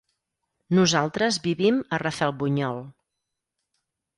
Nosaltres vivim a Rafelbunyol.